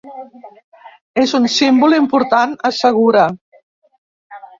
És un símbol important, assegura.